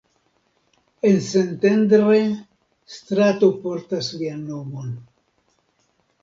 En Szentendre strato portas lian nomon.